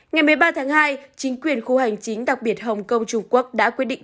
ngày một mươi ba tháng hai chính quyền khu hành chính đặc biệt hồng kông trung quốc đã quyết định